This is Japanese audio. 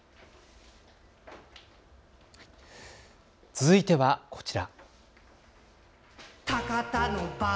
続いてはこちら。